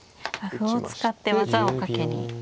歩を使って技をかけに。